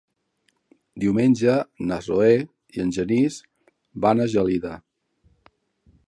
Diumenge na Zoè i en Genís van a Gelida.